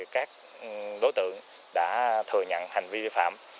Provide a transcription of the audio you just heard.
các đối tượng đã thừa nhận hành vi vi phạm